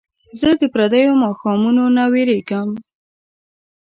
زه پردیو ماښامونو نه ویرېږم